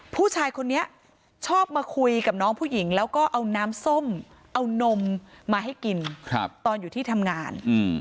ผู้ชายคนนี้ชอบมาคุยกับน้องผู้หญิงแล้วก็เอาน้ำส้มเอานมมาให้กินตอนอยู่ที่ทำงาน